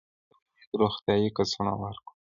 ټپي ته باید روغتیایي کڅوړه ورکړو.